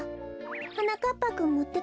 はなかっぱくんもってかえる？